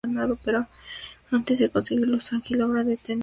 Pero antes de conseguirlo, Sanji logra detener sus ataques.